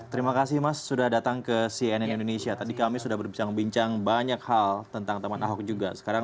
terima kasih mas sudah datang ke cnn indonesia tadi kami sudah berbincang bincang banyak hal tentang teman ahok juga sekarang